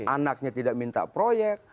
anaknya tidak minta proyek